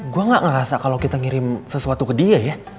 gue gak ngerasa kalau kita ngirim sesuatu ke dia ya